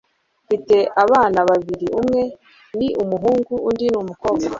mfite abana babiri umwe ni umuhungu undi ni umukobwa